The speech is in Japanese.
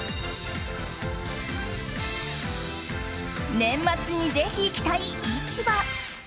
年末にぜひ行きたい市場！